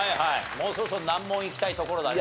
もうそろそろ難問いきたいところだね。